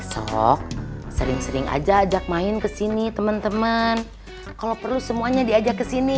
besok sering sering aja ajak main ke sini temen temen kalau perlu semuanya diajak kesini